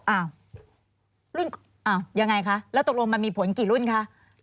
อ้าวยังไงคะแล้วตกลงมันมีผลกี่รุ่นคะ